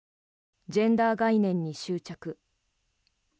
ジェンダー概念に執着。